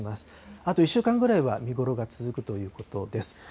あと１週間ぐらいは見頃が続くということです。